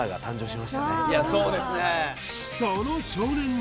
いやそうですね